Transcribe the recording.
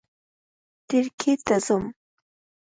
ترکیې ته ځي